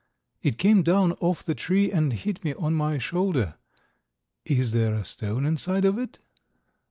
"It came down off the tree and hit me on my shoulder. Is there a stone inside of it?"